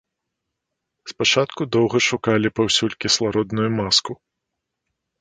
Спачатку доўга шукалі паўсюль кіслародную маску.